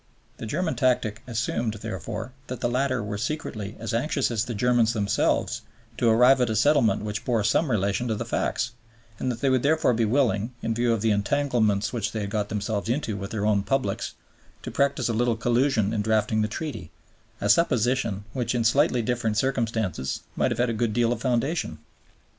The German tactic assumed, therefore, that the latter were secretly as anxious as the Germans themselves to arrive at a settlement which bore some relation to the facts, and that they would therefore be willing, in view of the entanglements which they had got themselves into with their own publics, to practise a little collusion in drafting the Treaty, a supposition which in slightly different circumstances might have had a good deal of foundation.